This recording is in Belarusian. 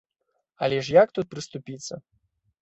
Але ж як тут прыступіцца.